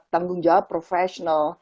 tanggung jawab professional